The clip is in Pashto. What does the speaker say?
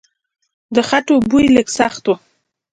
د خټو بوی لږ سخت و.